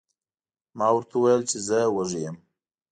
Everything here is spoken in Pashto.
ما ورته وویل چې زه وږی یم.